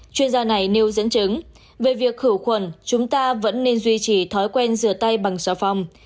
chuyên gia này nêu dẫn chứng về việc khử khuẩn chúng ta vẫn nên duy trì thói quen rửa tay bằng xà phòng